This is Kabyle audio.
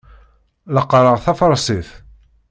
La qqareɣ tafarsit.